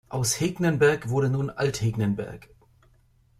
Aus Hegnenberg wurde nun Althegnenberg.